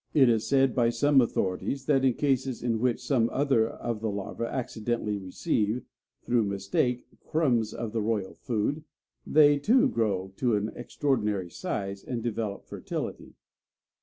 It is said by some authorities that in cases in which some other of the larva accidently receive, through mistake, crumbs of the "royal food," they, too, grow to an extraordinary size, and develop fertility.